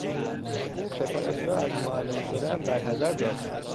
او پسرش را از معلم شدن برحذر داشت.